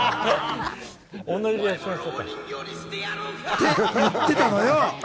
て言ってたのよ。